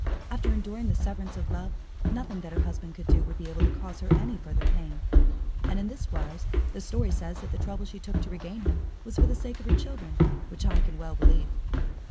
After enduring the severance of love, nothing that her husband could do would be able to cause her any further pain. And in this wise the story says that the trouble she took to regain him was for the sake of her children which I can well believe."